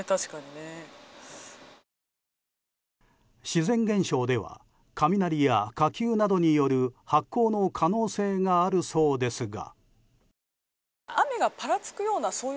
自然現象では雷や火球などによる発光の可能性があるそうですが。